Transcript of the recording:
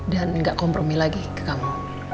dan gak kompromi lagi ke kamu